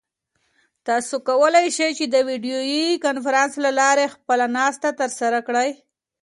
تاسو کولای شئ چې د ویډیویي کنفرانس له لارې خپله ناسته ترسره کړئ.